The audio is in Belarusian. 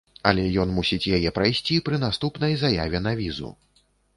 Але ён мусіць яе прайсці пры наступнай заяве на візу.